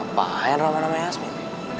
apaan rama rama yasmin